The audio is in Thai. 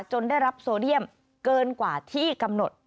ได้รับโซเดียมเกินกว่าที่กำหนด